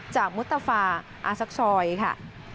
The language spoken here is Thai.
มุตฟาอาซักซอยค่ะ